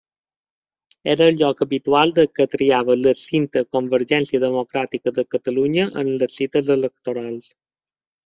Era el lloc habitual que triava l'extinta Convergència Democràtica de Catalunya en les cites electorals.